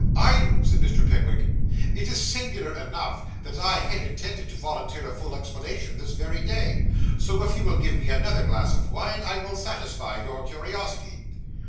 'Are you?' said Mr. Pickwick. 'It is singular enough that I had intended to volunteer a full explanation this very day; so, if you will give me another glass of wine, I will satisfy your curiosity.